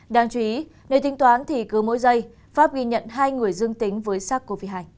đáng chú ý nếu tính toán thì cứ mỗi giây pháp ghi nhận hai người dương tính với sars cov hai